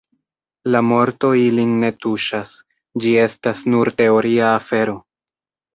La morto ilin ne tuŝas: ĝi estas nur teoria afero.